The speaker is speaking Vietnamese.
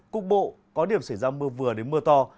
cục bộ có điểm xảy ra mưa vừa đến mưa to